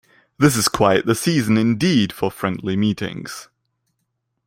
This is quite the season indeed for friendly meetings.